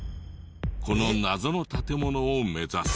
この謎の建物を目指す。